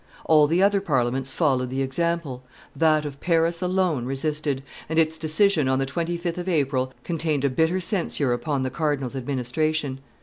All the other parliaments followed the example; that of Paris alone resisted, and its decision on the 25th of April contained a bitter censure upon the cardinal's administration.